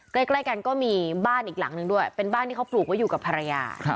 ใกล้กันก็มีบ้านอีกหลังนึงด้วยเป็นบ้านที่เขาปลูกไว้อยู่กับภรรยา